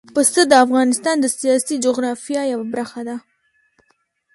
پسه د افغانستان د سیاسي جغرافیه یوه برخه ده.